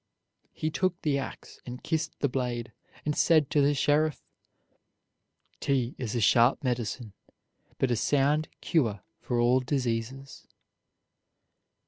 He took the ax and kissed the blade, and said to the sheriff: "'T is a sharp medicine, but a sound cure for all diseases."